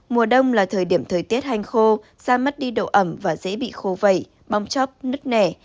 mùa đông là thời điểm thời tiết hành khô da mắt đi độ ẩm và dễ bị khô vẩy bong chóc nứt nẻ